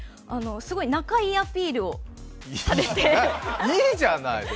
すごい仲良いアピールをされていいじゃない。